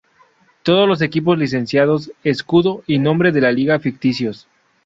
Todos los equipos licenciados, escudo y nombre de la liga ficticios.